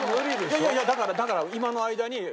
いやいやだから今の間に。